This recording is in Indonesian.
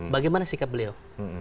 bagaimana sikap beliau